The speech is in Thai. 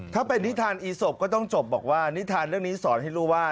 ถ้าเป็นนิทานอีศพก็ต้องจบบอกว่านิทานเรื่องนี้สอนให้รู้ว่า